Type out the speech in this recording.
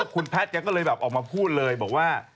คุณแพทย์แกก็เลยแบบออกมาพูดเลยบอกว่า